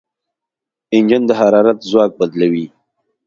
انجن د حرارت ځواک بدلوي.